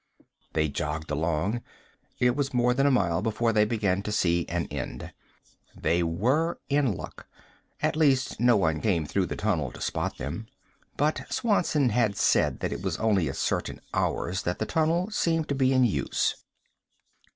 They jogged along. It was more than a mile before they began to see an end. They were in luck at least no one came through the tunnel to spot them. But Swanson had said that it was only at certain hours that the tunnel seemed to be in use.